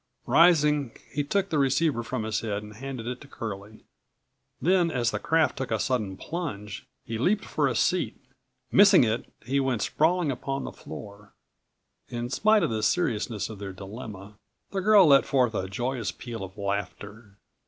Rising, he took the receiver from his head and handed it to Curlie. Then, as the craft took a sudden plunge, he leaped for a seat. Missing it, he went sprawling upon the floor. In spite of the seriousness of their dilemma, the girl let forth a joyous peal of laughter.